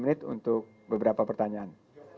sepuluh menit untuk beberapa pertanyaan